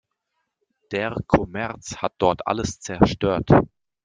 Der Kommerz hat dort alles zerstört.